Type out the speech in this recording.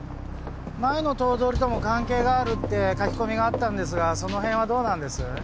前の頭取とも関係があるって書き込みがあったんですがその辺はどうなんです？